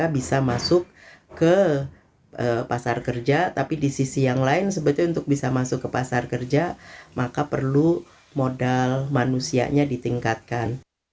bisa masuk ke pasar kerja tapi di sisi yang lain sebetulnya untuk bisa masuk ke pasar kerja maka perlu modal manusianya ditingkatkan